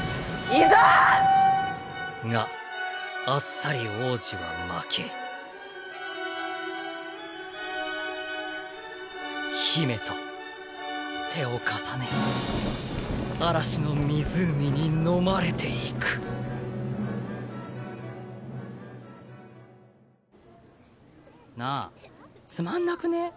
膝！があっさり王子は負け姫と手を重ね嵐の湖に飲まれていくなあつまんなくねぇ？